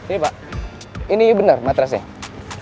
ini pak ini benar matrasnya